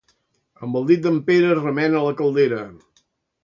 Amb el dit d'en Pere, remena la caldera.